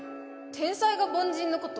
天才が凡人のこと